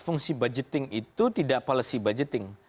fungsi budgeting itu tidak policy budgeting